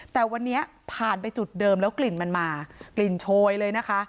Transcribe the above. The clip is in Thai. แต่วันนี้ผ่านไปจุดเดิมแล้วกลิ่นมันมากลิ่นโชยเลยนะคะ